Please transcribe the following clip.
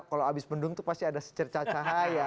kalau habis bendung itu pasti ada secerca cahaya